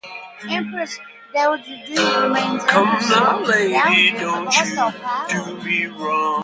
Empress Dowager Dou remained empress dowager, but lost all power.